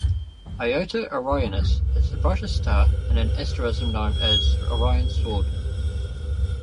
Iota Orionis is the brightest star in an asterism known as Orion's sword.